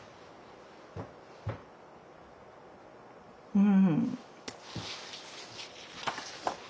うん。